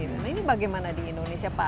nah ini bagaimana di indonesia pak